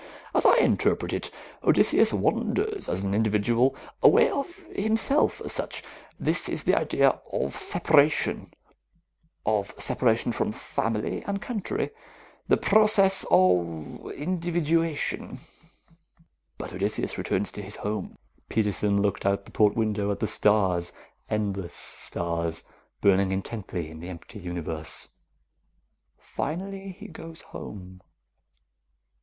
As I interpret it, Odysseus wanders as an individual, aware of himself as such. This is the idea of separation, of separation from family and country. The process of individuation." "But Odysseus returns to his home." Peterson looked out the port window, at the stars, endless stars, burning intently in the empty universe. "Finally he goes home."